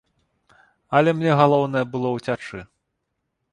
Але мне галоўнае было ўцячы.